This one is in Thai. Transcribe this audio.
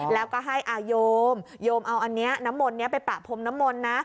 แล้วก็ให้โยมโยมเอาอันนี้น้ำมนต์นี้ไปประพรมน้ำมนต์นะ